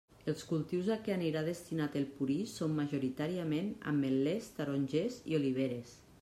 Els cultius a què anirà destinat el purí són majoritàriament: ametlers, tarongers i oliveres.